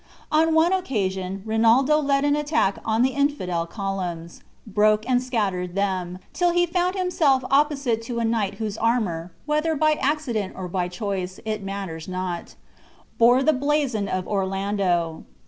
On one occasion Rinaldo led an attack on the infidel columns, broke and scattered them, till he found himself opposite to a knight whose armor (whether by accident or by choice, it matters not) bore the blazon of Orlando.